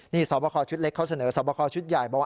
นี่สอบคอชุดเล็กเขาเสนอสอบคอชุดใหญ่บอกว่า